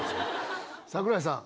櫻井さん